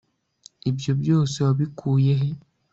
ibyo byose wabikuye he